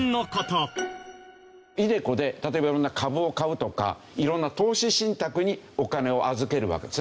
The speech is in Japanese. ｉＤｅＣｏで例えばいろんな株を買うとかいろんな投資信託にお金を預けるわけですよね。